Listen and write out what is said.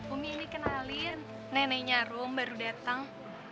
umi ini kenalin neneknya rum baru datang